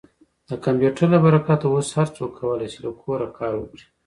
د کمپیوټر له برکته اوس هر څوک کولی شي له کوره کار وکړي.